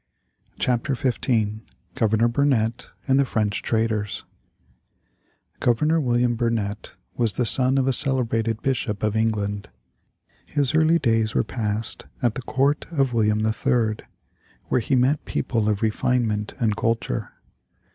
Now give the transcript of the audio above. ] CHAPTER XV GOVERNOR BURNET and the FRENCH TRADERS Governor William Burnet was the son of a celebrated bishop of England. His early days were passed at the Court of William III., where he met people of refinement and culture.